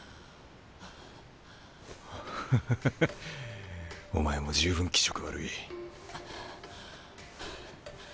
ハハハお前も十分気色悪い。